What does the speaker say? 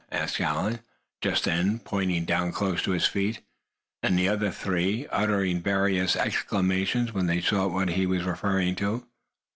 asked Allen, just then, pointing down close to his feet; and the other three uttered various exclamations when they saw what he was referring to.